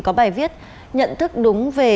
có bài viết nhận thức đúng về